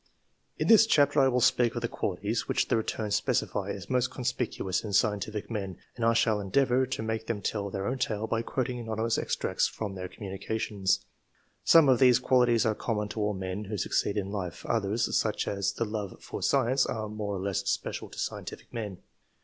In this chapter I will speak of the qualities which the returns specify as most conspicuous in scientific men, and I shall endeavour to make them tell their own tale by quoting anonjrmous extracts from their communications. Some of these qualities are common to all men who suc ceed in life, others — such as the love for science — are more or less special to scientific men.